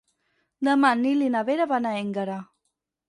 Demà en Nil i na Vera van a Énguera.